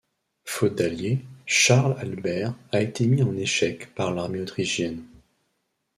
Faute d'alliés, Charles-Albert a été mis en échec par l'armée autrichienne.